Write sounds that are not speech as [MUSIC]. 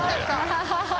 ハハハ [LAUGHS]